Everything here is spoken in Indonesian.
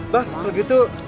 bah kalau gitu